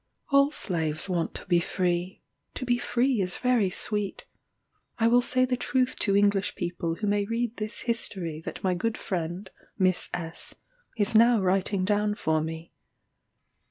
All slaves want to be free to be free is very sweet. I will say the truth to English people who may read this history that my good friend, Miss S , is now writing down for me.